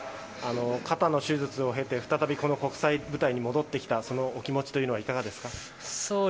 肩の手術を経て再び国際舞台に戻ってきたお気持ちというのはいかがですか？